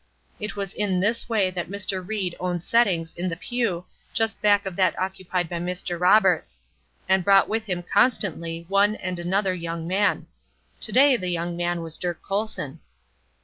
It was in this way that Mr. Ried owned sittings in the pew just back of that occupied by Mr. Roberts; and brought with him constantly one and another young man. Today the young man was Dirk Colson.